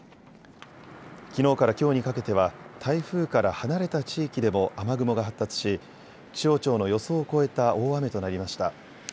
きのうからきょうにかけては台風から離れた地域でも雨雲が発達し、気象庁の予想を超えた大雨となりました。